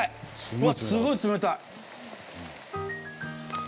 うわっ、すごい冷たい。